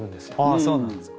あそうなんですか。